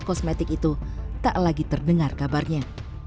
kosmetik itu tak lagi terdengar kabarnya